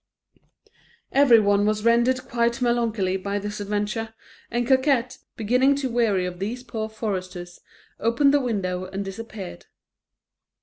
Every one was rendered quite melancholy by this adventure, and Coquette, beginning to weary of these poor foresters, opened the window and disappeared.